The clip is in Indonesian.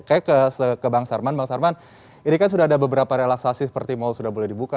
saya ke bang sarman bang sarman ini kan sudah ada beberapa relaksasi seperti mal sudah boleh dibuka